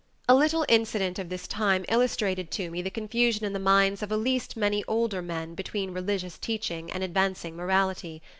A little incident of this time illustrated to me the confusion in the minds of a least many older men between religious teaching and advancing morality.